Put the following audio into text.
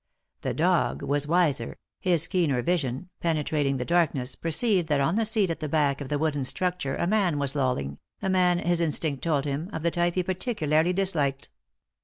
The dog was wiser, bis keener vision, penetrating the darkness, perceived that on tbe seat at the back of the wooden structure a man was lolling, a man, his instinct told him, of the type he particularly disliked.